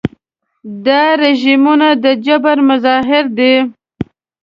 دا رژیمونه د جبر مظاهر دي.